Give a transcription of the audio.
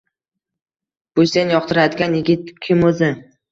Bu sen yoqtiradigan yigit kim o`zi